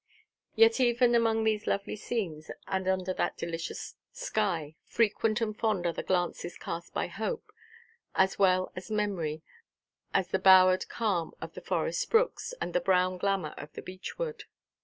Yet even among those lovely scenes, and under that delicious sky, frequent and fond are the glances cast by hope, as well as memory, at the bowered calm of the Forest brooks, and the brown glamour of the beechwood.